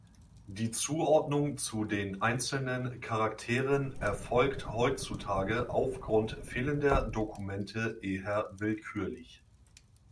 Die Zuordnung zu den einzelnen Charakteren erfolgt heutzutage aufgrund fehlender Dokumente eher willkürlich.